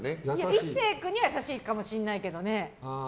壱成君には優しいかもしれないけどね。